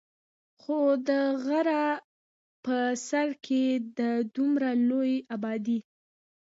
خو د غرۀ پۀ سر کښې د دومره لوے ابادي